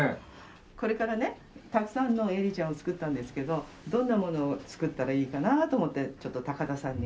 これからねたくさんのエリーちゃんを作ったんですけどどんなものを作ったらいいかなと思ってちょっと高田さんに。